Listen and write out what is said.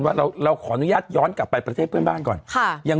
ว่าเราขออนุญาตย้อนกลับไปประเทศเพื่อนบ้านก่อน